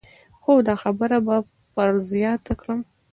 خو دا خبره به پر زیاته کړم.